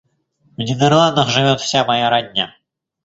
В Нидерландах живёт вся моя родня.